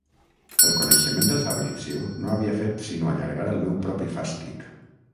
El coneixement del Fabrizio no havia fet sinó allargar el meu propi fàstic.